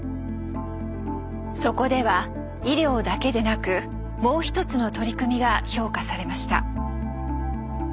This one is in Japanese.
そこでは医療だけでなくもう一つの取り組みが評価されました。